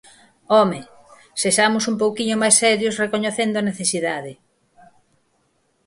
¡Home!, sexamos un pouquiño máis serios recoñecendo a necesidade.